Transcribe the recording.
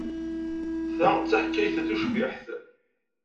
Ta d taḥkayt tucbiḥt.